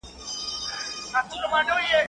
غل پسي اخله ، نو نه تر کوره.